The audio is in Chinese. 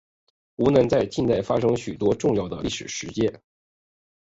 湖南在近代发生许多重要的历史事件。